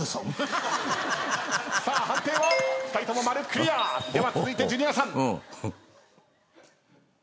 クリア！では続いてジュニアさん。